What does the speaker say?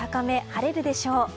晴れるでしょう。